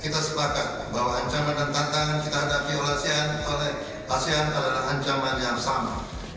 kita sepakat bahwa ancaman dan tantangan kita hadapi oleh asean adalah ancaman yang sama